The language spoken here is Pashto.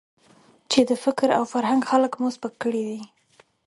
چې د فکر او فرهنګ خلک مو سپک کړي دي.